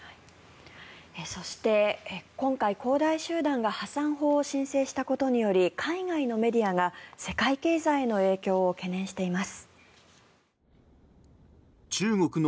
そして、今回恒大集団が破産法を申請したことにより海外のメディアが世界経済への影響を懸念しています。